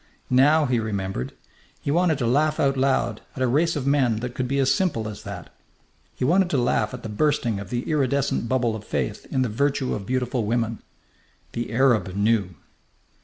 Now he remembered. He wanted to laugh out loud at a race of men that could be as simple as that. He wanted to laugh at the bursting of the iridescent bubble of faith in the virtue of beautiful women. The Arab knew!